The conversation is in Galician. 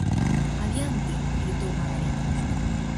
-Adiante! -gritou Magariños.